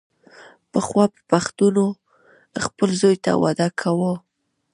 پخوا به پښتنو خپل زوی ته واده کاوو.